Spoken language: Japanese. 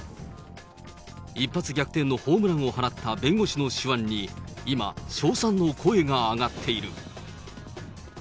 一発逆転のホームランを放った弁護士の手腕に、今、称賛の声が上がっている。